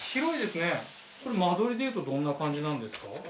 これ間取りでいうとどんな感じなんですか？